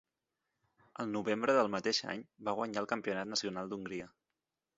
El novembre del mateix any va guanyar el Campionat Nacional d'Hongria.